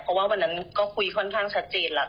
เพราะว่าวันนั้นก็คุยค่อนข้างชัดเจนแล้ว